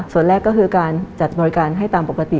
ส่วนแรกก็คือการจัดบริการให้ตามปกติ